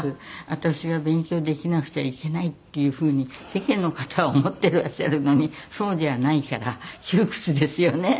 私が勉強できなくちゃいけないっていうふうに世間の方は思っていらっしゃるのにそうじゃないから窮屈ですよね。